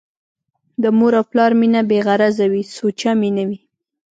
د مور او پلار مينه بې غرضه وي ، سوچه مينه وي